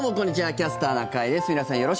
「キャスターな会」です。